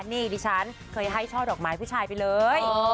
นี่ดิฉันเคยให้ช่อดอกไม้ผู้ชายไปเลย